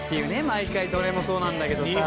毎回どれもそうなんだけどさ。